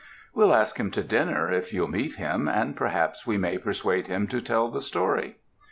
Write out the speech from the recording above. We'll ask him to dinner, if you'll meet him, and perhaps we may persuade him to tell the story."